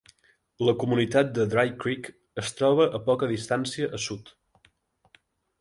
La comunitat de Dry Creek es troba a poca distància a sud.